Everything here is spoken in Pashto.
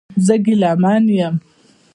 زه ګیلمن یم